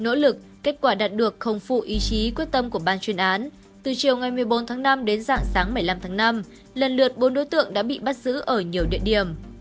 những nỗ lực kết quả đạt được không phụ ý chí quyết tâm của ban chuyên án từ chiều ngày một mươi bốn tháng năm đến dạng sáng một mươi năm tháng năm lần lượt bốn đối tượng đã bị bắt giữ ở nhiều địa điểm